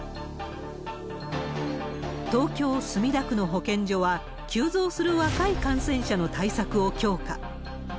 東京・墨田区の保健所は、急増する若い感染者の対策を強化。